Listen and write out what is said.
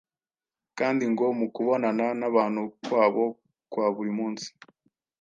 kandi ngo mu kubonana n’abantu kwabo kwa buri munsi